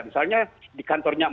misalnya di kantornya